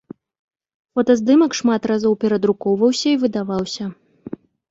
Фотаздымак шмат разоў перадрукоўваўся і выдаваўся.